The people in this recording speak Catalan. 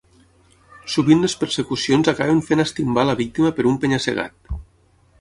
Sovint les persecucions acaben fent estimbar la víctima per un penya-segat.